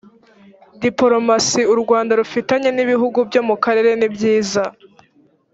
dipolomasi u rwanda rufitanye n’ ibihugu byo mu karere ninziza.